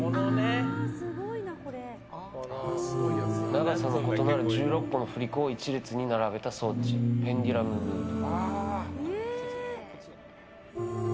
長さの異なる１６個の振り子を１列に並べた装置ペンデュラムウェーブ。